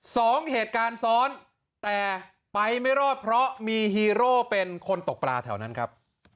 สองเหตุการณ์ซ้อนแต่ไปไม่รอดเพราะมีฮีโร่เป็นคนตกปลาแถวนั้นครับ